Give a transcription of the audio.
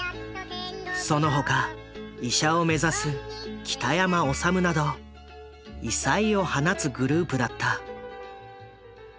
その他医者を目指すきたやまおさむなど異彩を放つグループだった。